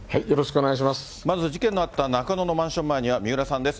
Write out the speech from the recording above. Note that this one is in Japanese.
まず事件のあった中野のマンション前には三浦さんです。